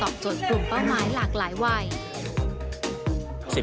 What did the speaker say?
จนกลุ่มเป้าหมายหลากหลายวัย